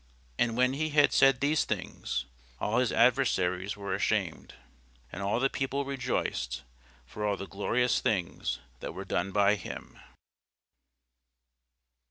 And when he had said these things, all his adversaries were ashamed: and all the people rejoiced for all the glorious things that were done by him.